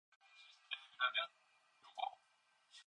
숨이 차서 헐떡이며 칼을 쑥 내민다.